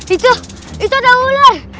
itu itu ada ular